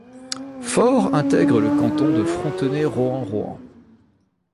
Fors intègre le Canton de Frontenay-Rohan-Rohan.